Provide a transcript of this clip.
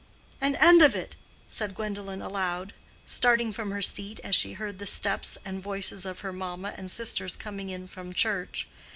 "An end of it!" said Gwendolen, aloud, starting from her seat as she heard the steps and voices of her mamma and sisters coming in from church.